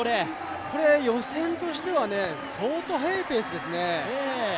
これ予選としては相当速いペースですね。